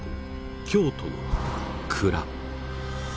京都の蔵。